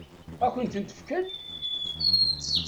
Ad kent-tent-fken?